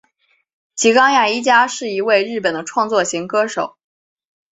吉冈亚衣加是一位日本的创作型歌手。